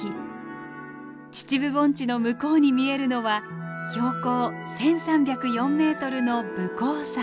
秩父盆地の向こうに見えるのは標高１，３０４ｍの武甲山。